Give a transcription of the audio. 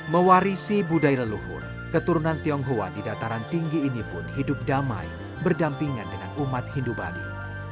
mewarisi budaya leluhur keturunan tionghoa di dataran tinggi ini pun hidup damai berdampingan dengan umat hindu bali